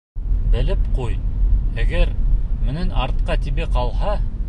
Белеп ҡуй: әгәр минең артҡа тибә ҡалһа...